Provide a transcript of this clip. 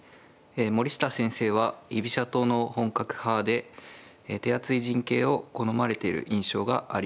森下先生は居飛車党の本格派で手厚い陣形を好まれてる印象があります。